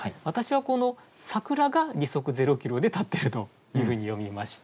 私はこの桜が「時速０ｋｍ」で立ってるというふうに読みました。